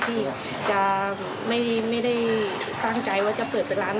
ที่จะไม่ได้ตั้งใจว่าจะเปิดเป็นร้าน